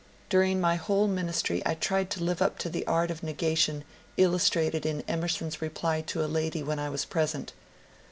*' During my whole min istry I tried to live up to the art of negation illustrated in Emerson's reply to a lady when I was present.